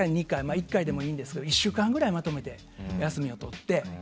１回でもいいんですけど１週間ぐらいまとめてとって。